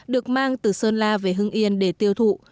được mang từ sơn la về hưng yên để tiêu thụ